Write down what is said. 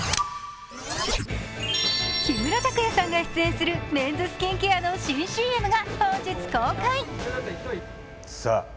木村拓哉さんが出演するメンズスキンケアの新ＣＭが本日公開。